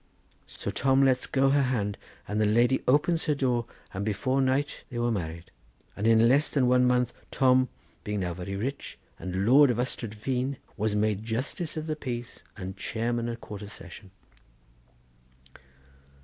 So Tom lets go her hand, and the lady opens her door, and before night they were married, and in less than one month Tom, being now very rich and lord of Ystrad Feen, was made justice of the peace and chairman at quarter session."